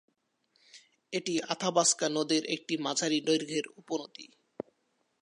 এটি আথাবাস্কা নদীর একটি মাঝারি দৈর্ঘ্যের উপনদী।